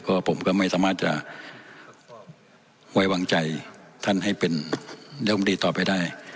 ก็ผมก็ไม่สามารถจะไว้วางใจท่านให้เป็นนายกรรมดีต่อไปได้